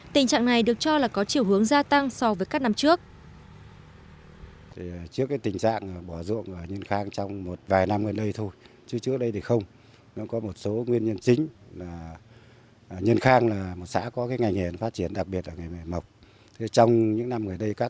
tình trạng này được cho là có chiều hướng gia tăng so với các năm trước